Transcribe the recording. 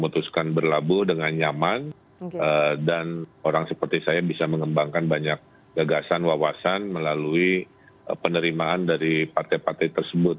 memutuskan berlabuh dengan nyaman dan orang seperti saya bisa mengembangkan banyak gagasan wawasan melalui penerimaan dari partai partai tersebut